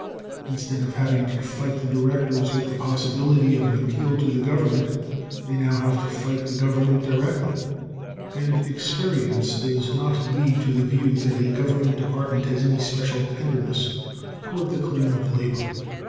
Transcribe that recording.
Instead of having to fight the directors, with the possibility of an appeal to the government, they now have to fight the government directly; and experience does not lead to the view that a government department has any special tenderness toward the claims of labor.